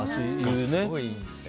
すごいいいんですよ。